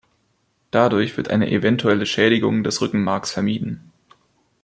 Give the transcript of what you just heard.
Dadurch wird eine eventuelle Schädigung des Rückenmarks vermieden.